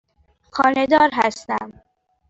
خانه دار هستم.